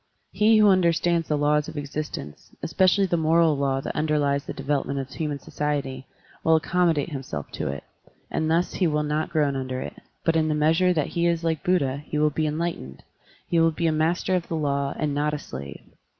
He who understands the laws of existence, and especially the moral law that Digitized by Google REPLY TO A CHRISTIAN CRITIC 123 underlies the development of human society, will accommodate himself to it, and thus he will not groan under it, but in the measure that he is like Buddha he will be enlightened, he will be a master of the law and not a slave.